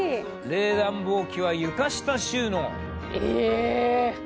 冷暖房機は床下収納。え！